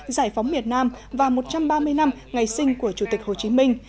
giải phóng miền nam và một trăm ba mươi năm ngày sinh của chủ tịch hồ chí minh